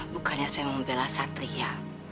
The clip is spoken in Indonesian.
bukannya saya mau bela satria